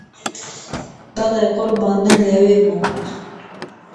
بەڵێ قوربان من لەوێ بووم!